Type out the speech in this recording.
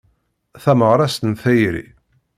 Tameɣrast n tayri.